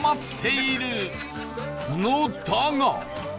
のだが